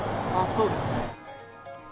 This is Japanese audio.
そうですね。